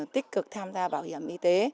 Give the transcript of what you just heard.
tích cực tham gia bảo hiểm y tế